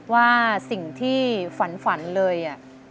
ว่าสิ่งที่ฝันเลยอะ